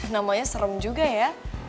namanya serem juga ya